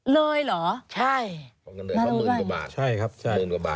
เลยเหรอมารู้ได้ไหมครับใช่ครับมื้นกว่าบาท